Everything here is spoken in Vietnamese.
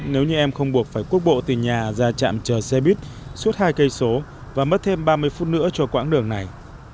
nếu như em không buộc phải quốc bộ từ nhà ra trạm chờ xe buýt suốt hai km và mất thêm ba mươi phút nữa cho quãng đường này